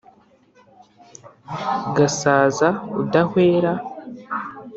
gasaza udahwera.